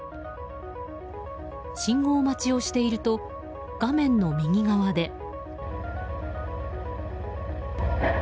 信号待ちをしていると画面の右側で。